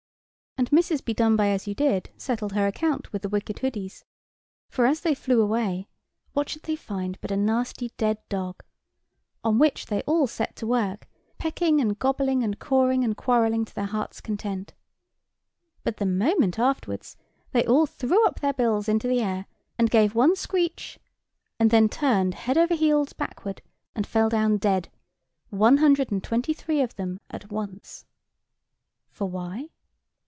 And Mrs. Bedonebyasyoudid settled her account with the wicked hoodies. For, as they flew away, what should they find but a nasty dead dog?—on which they all set to work, peeking and gobbling and cawing and quarrelling to their hearts' content. But the moment afterwards, they all threw up their bills into the air, and gave one screech; and then turned head over heels backward, and fell down dead, one hundred and twenty three of them at once. For why?